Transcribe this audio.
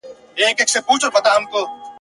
دا شمېره د هغه وخت لپاره ډېره زياته وه.